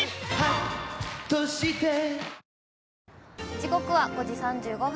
時刻は５時３５分。